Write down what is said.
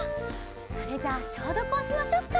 それじゃあしょうどくをしましょっか。